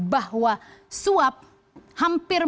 bahwa suap hampir